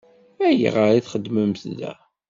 Ayɣer i txeddmemt da?